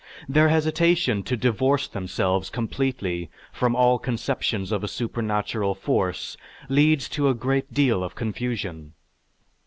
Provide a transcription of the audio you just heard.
Their hesitation to divorce themselves completely from all conceptions of a supernatural force leads to a great deal of confusion.